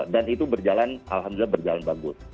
dan itu berjalan alhamdulillah berjalan bagus